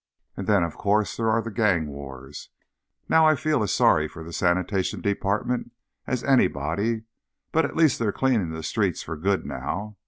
_ _And then, of course, there are the gang wars. Now, I feel as sorry for the Sanitation Department as anybody, but at least they're cleaning the streets for good now.